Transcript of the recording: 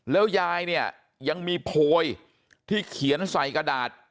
แล้วยายเนี่ยยังมีโพยที่เขียนใส่กระดาษ